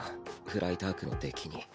フライタークの出来に。